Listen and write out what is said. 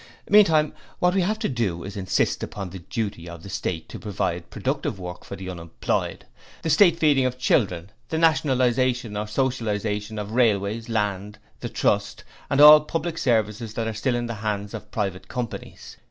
Meantime, what we have to do is to insist upon the duty of the State to provide productive work for the unemployed, the State feeding of schoolchildren, the nationalization or Socialization of Railways; Land; the Trusts, and all public services that are still in the hands of private companies.